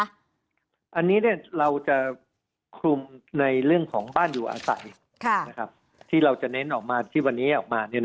อันนี้เราจะคลุมในเรื่องของบ้านอยู่อาศัยที่เราจะเน้นออกมาที่วันนี้ออกมา